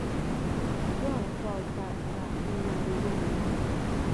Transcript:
دواړو خواوو ته به نارینه ولاړ وي.